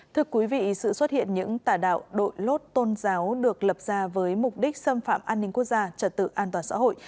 thưa quý vị sự xuất hiện những tà đạo đội lốt tôn giáo được lập ra với mục đích xâm phạm an ninh quốc gia trật tự an toàn xã hội